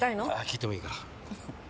聞いてもいいかな。